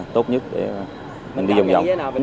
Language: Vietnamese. tốt nhất để mình đi vòng vòng